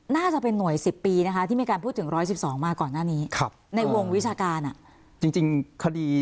น่าจะเป็นหน่วย๑๐ปีนะคะที่มีการพูดถึง๑๑๒มาก่อนหน้านี้ในวงวิชาการจริงคดี